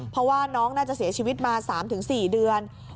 เพราะว่าน้องน่าจะเสียชีวิตมา๓๔เดือน